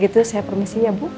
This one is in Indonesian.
kalau gitu saya permisi ya bu